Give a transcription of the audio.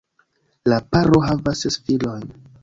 La paro havas ses filojn.